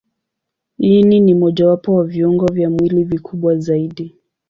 Ini ni mojawapo wa viungo vya mwili vikubwa zaidi.